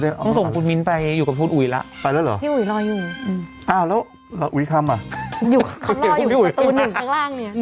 ลุ้ยต้องไปหาเขาเนี่ย